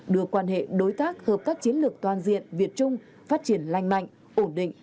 đưa quan hệ đối tác hợp tác chiến lược toàn diện việt trung phát triển lành mạnh ổn định